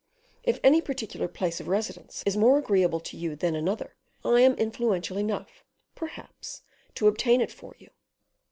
If any particular place of residence is more agreeable to you than another, I am influential enough, perhaps, to obtain it for you."